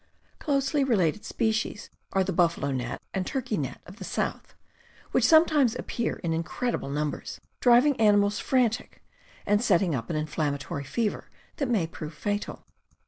Closely related species are the buffalo gnat and turkey gnat of the South, which sometimes appear in incredible numbers, driving animals frantic and setting up an inflammatory fever that may prove fatal.